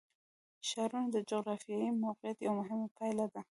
ښارونه د جغرافیایي موقیعت یوه مهمه پایله ده.